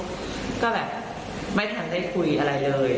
ก็แบบไม่ทันได้คุยอะไรเลย